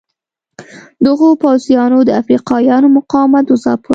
دغو پوځیانو د افریقایانو مقاومت وځاپه.